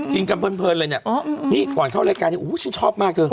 กินกำเพลินเลยเนี่ยนี่ก่อนเข้ารายการนี้ชิคกี้พายชอบมากเกิน